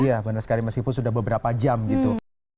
iya benar sekali mas ibu sudah beberapa jam gitu